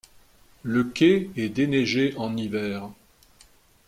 Le quai est déneigé en hiver.